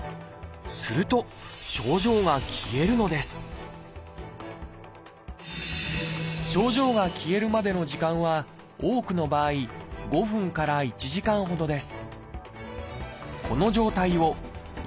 すると症状が消えるのです症状が消えるまでの時間は多くの場合５分から１時間ほどです。